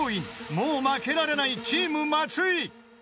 ［もう負けられないチーム松井］